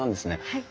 はい。